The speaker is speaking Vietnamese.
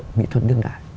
nghệ thuật đương đại